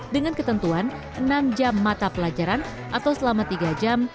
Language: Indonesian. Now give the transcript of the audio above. dengan ketentuan enam jam mata pelajaran atau selama tiga jam